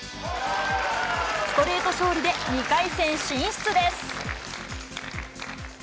ストレート勝利で、２回戦進出です。